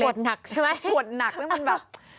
หนักใช่ไหมปวดหนักแล้วมันแบบ